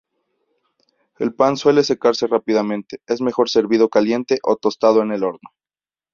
El pan suele secarse rápidamente, es mejor servido caliente o tostado en el horno.